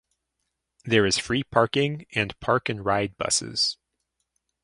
There is free parking and park and ride buses.